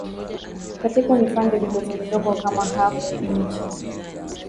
Kata vipande vidogo vidogo kama ½inchi